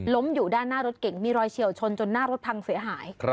อยู่ด้านหน้ารถเก่งมีรอยเฉียวชนจนหน้ารถพังเสียหาย